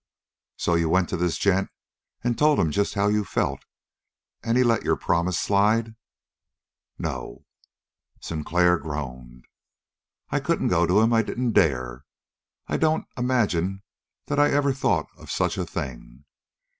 "So you went to this gent and told him just how you felt, and he let your promise slide?" "No." Sinclair groaned. "I couldn't go to him. I didn't dare. I don't imagine that I ever thought of such a thing.